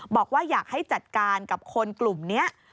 บอกว่าอยากให้จัดการกับคนกลุ่มนี้